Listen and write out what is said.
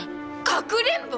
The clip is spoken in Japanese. かくれんぼ？